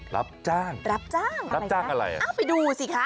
รับจ้างรับจ้างอะไรกันอ้าวไปดูสิคะ